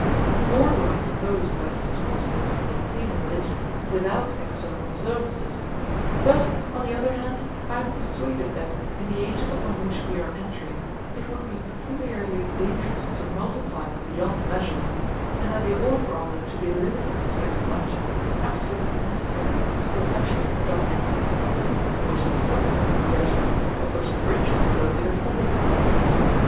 Nor do I suppose that it is possible to maintain a religion without external observances; but, on the other hand, I am persuaded that, in the ages upon which we are entering, it would be peculiarly dangerous to multiply them beyond measure; and that they ought rather to be limited to as much as is absolutely necessary to perpetuate the doctrine itself, which is the substance of religions of which the ritual is only the form.